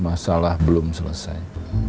masalah belum selesai